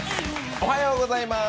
おはようございます。